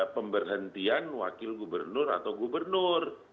pemberhentian wakil gubernur atau gubernur